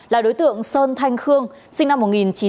là đối tượng sơn thanh khương sinh năm một nghìn chín trăm bảy mươi ba